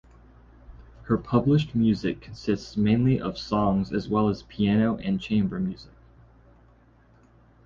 Her published music consists mainly of songs as well as piano and chamber music.